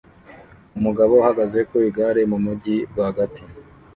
Umugabo uhagaze ku igare mu mujyi rwagati